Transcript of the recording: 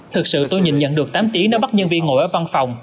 thực sự tôi nhìn nhận được tám tiếng nếu bắt nhân viên ngồi ở văn phòng